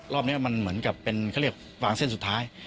รอบนี้มันเหมือนกับเป็นเขาเรียกวางเส้นสุดท้าย